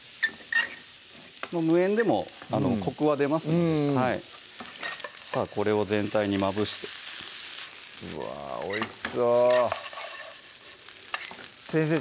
無塩でもコクは出ますのでうんさぁこれを全体にまぶしてうわぁおいしそう先生